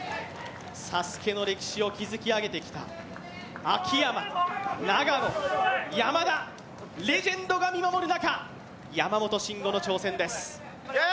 ＳＡＳＵＫＥの歴史を築き上げてきた秋山、長野、山田、レジェンドが見守る中、山本進悟の挑戦です。